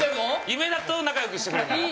夢だと仲良くしてくれるのよ。